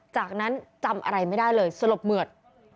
จากนั้นจำอะไรไม่ได้เลยสลบเหมือด